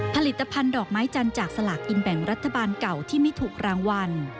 ผลิตภัณฑ์ดอกไม้จันทร์จากสลากกินแบ่งรัฐบาลเก่าที่ไม่ถูกรางวัล